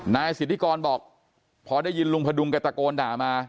นายสิทธิกรบอกพอได้ยินลุงพดุงแกตะโกนด่ามา